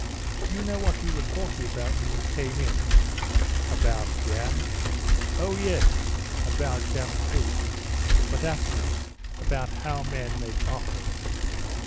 "Do you know what we were talking about when you came in?" "About jam?" "Oh, yes, about jam too; but afterwards, about how men make offers."